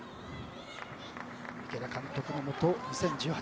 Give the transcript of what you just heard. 池田監督のもと２０１８年